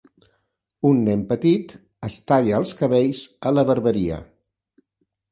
Un nen petit es talla els cabells a la barberia